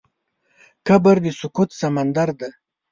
قبر د سکوت سمندر دی.